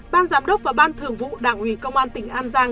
ban giám đốc và ban thường vụ đảng ủy công an tỉnh an giang